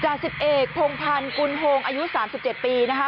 จาศิษย์เอกโพงพันธ์กุณโฮงอายุ๓๗ปีนะฮะ